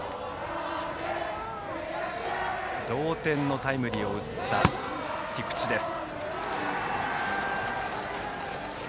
同点のタイムリーを打った菊池です。